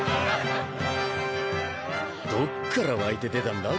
どっから湧いて出たんだ？